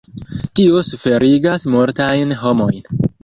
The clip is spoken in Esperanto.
Tio suferigas multajn homojn.